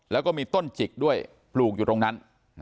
แล้วก็มีต้นจิกด้วยปลูกอยู่ตรงนั้น